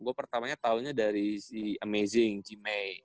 gua pertamanya taunya dari si amazing cimei